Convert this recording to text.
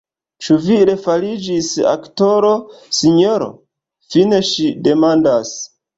Ĉu vi refariĝis aktoro, sinjoro?fine ŝi demandas.